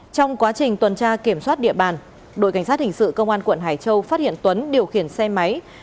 trong quá trình tuần tra kiểm soát địa bàn đội cảnh sát hình sự công an quận hải châu phát hiện tuấn điều khiển xe máy